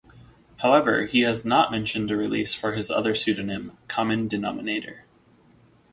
However, he has not mentioned a release for his other pseudonym, "Common Denominator".